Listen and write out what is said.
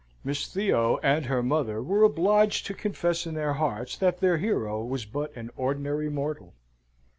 Miss Theo and her mother were obliged to confess in their hearts that their hero was but an ordinary mortal.